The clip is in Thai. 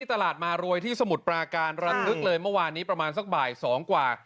ตลาดมารวยที่สมุทรปราการระทึกเลยเมื่อวานนี้ประมาณสักบ่าย๒กว่า